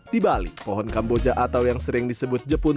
di bali pohon kamboja atau yang sering disebut jepun